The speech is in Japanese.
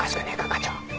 課長。